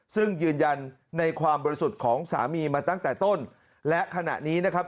ซึ่งยืนยันในความบริสุทธิ์ของสามีมาตั้งแต่ต้นและขณะนี้นะครับ